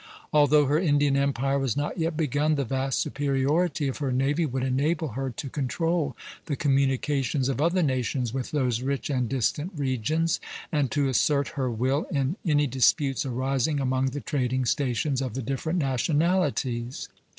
Although her Indian empire was not yet begun, the vast superiority of her navy would enable her to control the communications of other nations with those rich and distant regions, and to assert her will in any disputes arising among the trading stations of the different nationalities.